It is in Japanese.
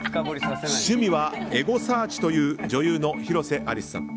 趣味はエゴサーチという女優の広瀬アリスさん。